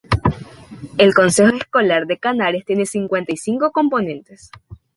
El Consejo Escolar de Canarias tiene cincuenta y cinco componentes.